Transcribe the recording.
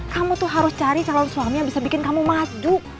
kamu tuh harus cari calon suami yang bisa bikin kamu maju